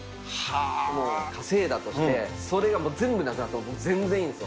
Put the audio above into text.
もう稼いだとして、それが全部なくなっても僕、全然いいんですよ。